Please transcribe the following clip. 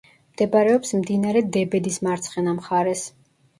მდებარეობს მდინარე დებედის მარცხენა მხარეს.